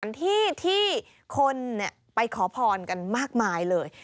ที่ที่คนไปขอพรกันมากมายเลย